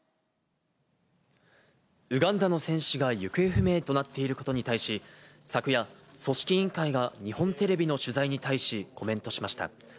ウガンダの選手が行方不明となっていることに対し、昨夜、組織委員会が日本テレビの取材に対し、コメントしました。